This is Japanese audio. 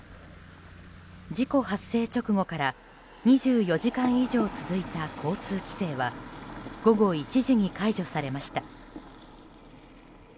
事故発生直後から２４時間以上続いた交通規制は午後１時に解除されました。